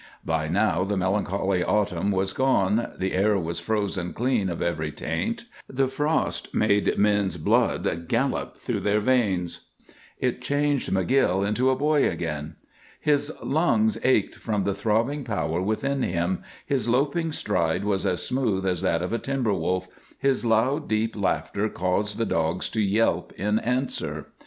By now the melancholy autumn was gone, the air was frozen clean of every taint, the frost made men's blood gallop through their veins. It changed McGill into a boy again. His lungs ached from the throbbing power within them, his loping stride was as smooth as that of a timber wolf, his loud, deep laughter caused the dogs to yelp in answer.